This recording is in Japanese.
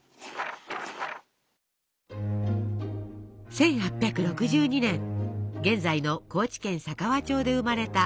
１８６２年現在の高知県佐川町で生まれた牧野富太郎。